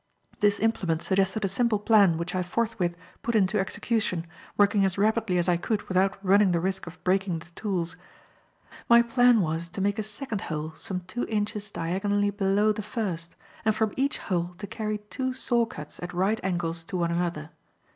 This implement suggested a simple plan which I forthwith put into execution, working as rapidly as I could without running the risk of breaking the tools. My plan was to make a second hole some two inches diagonally below the first, and from each hole to carry two saw cuts at right angles to one another.